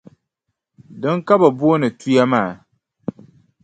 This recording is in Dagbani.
Dina ka bɛ booni tuya maa.